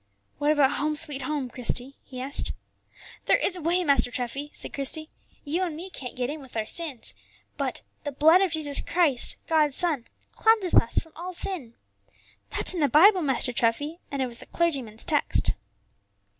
"What about 'Home, sweet Home,' Christie?" he asked. "There is a way, Master Treffy," said Christie. "You and me can't get in with our sins, but 'The blood of Jesus Christ, God's Son, cleanseth us from all sin.' That's in the Bible, Master Treffy, and it was the clergyman's text."